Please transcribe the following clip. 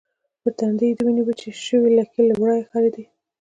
پر تندي يې د وینې وچې شوې لکې له ورایه ښکارېدې.